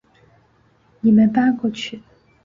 你们搬过去